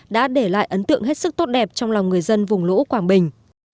đã để lại ấn tượng hết sức tốt đẹp trong lòng người dân vùng lũ quảng bình